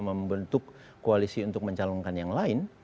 membentuk koalisi untuk mencalonkan yang lain